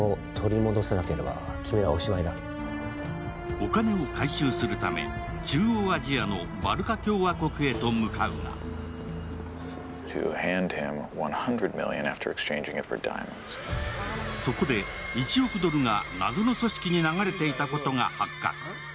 お金を回収するため中央アジアのバルカ共和国へと向かうがそこで、１億ドルが謎の組織に流れていたことが発覚。